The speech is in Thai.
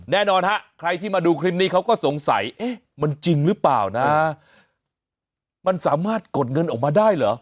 แน่นอนฮะใครที่มาดูคลิปนี้เขาก็สงสัยเอ๊ะมันจริงหรือเปล่านะมันสามารถกดเงินออกมาได้เหรอ